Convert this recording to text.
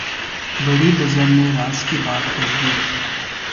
بھری بزم میں راز کی بات کہہ دی